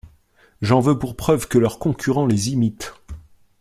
J’en veux pour preuve que leurs concurrents les imitent.